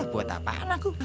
buat apaan aku